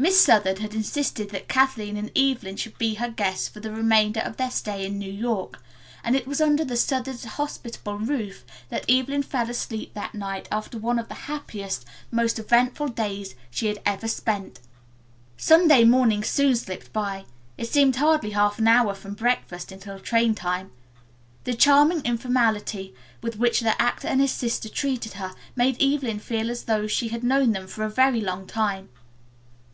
Miss Southard had insisted that Kathleen and Evelyn should be her guests for the remainder of their stay in New York, and it was under the Southards' hospitable roof that Evelyn fell asleep that night after one of the happiest, most eventful days she had ever spent. Sunday morning soon slipped by. It seemed hardly half an hour from breakfast until train time. The charming informality with which the actor and his sister treated her made Evelyn feel as though she had known them for a very long time.